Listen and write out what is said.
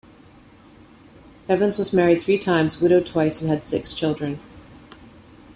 Evans was married three times, widowed twice, and had six children.